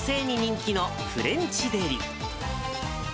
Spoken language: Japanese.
女性に人気のフレンチデリ。